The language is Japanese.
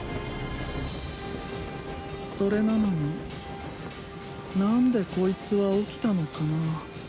それなのに何でこいつは起きたのかな？